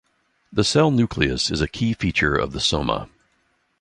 The cell nucleus is a key feature of the soma.